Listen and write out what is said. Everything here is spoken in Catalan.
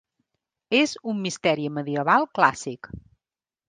És un misteri medieval clàssic.